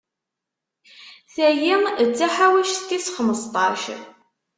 Tayi d taḥawact tis xmesṭac.